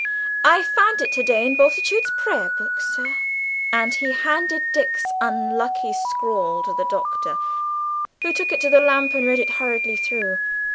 I found it to day in Bultitude's prayerbook, sir." And he handed Dick's unlucky scrawl to the Doctor, who took it to the lamp and read it hurriedly through.